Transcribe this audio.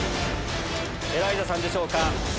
エライザさんでしょうか？